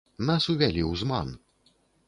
Нас увялі ў зман.